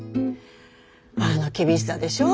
あの厳しさでしょ？